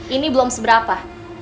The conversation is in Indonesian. ini belum seberapa